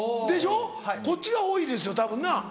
でしょこっちが多いですよたぶんな。